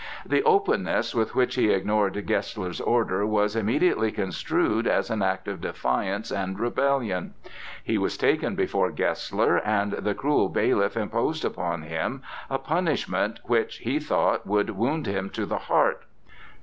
The openness with which he ignored Gessler's order was immediately construed as an act of defiance and rebellion. He was taken before Gessler, and the cruel bailiff imposed upon him a punishment which, he thought, would wound him to the heart.